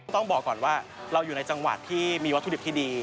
ต้องบอกก่อนว่าเราอยู่ในจังหวัดที่มีวัตถุดิบที่ดี